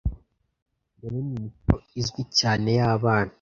yaremye imico izwi cyane y'abana